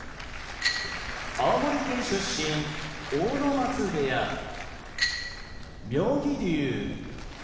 青森県出身阿武松部屋妙義龍